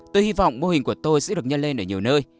tôi hy vọng mô hình của tôi sẽ được nhân lên ở nhiều nơi